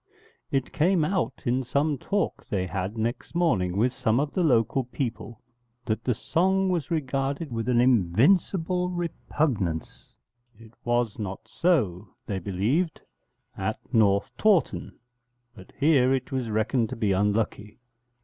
_' It came out in some talk they had next morning with some of the local people that that song was regarded with an invincible repugnance; it was not so, they believed, at North Tawton, but here it was reckoned to be unlucky.